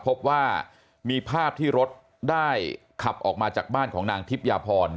พบว่ามีภาพที่รถได้ขับออกมาจากบ้านของนางทิพยาพร